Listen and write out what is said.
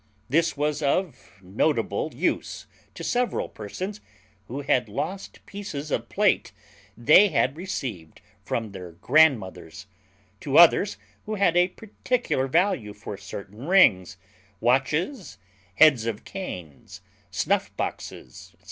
This was of notable use to several persons who had lost pieces of plate they had received from their grand mothers; to others who had a particular value for certain rings, watches, heads of canes, snuff boxes, &c.